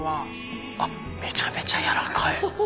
あっめちゃめちゃ柔らかい。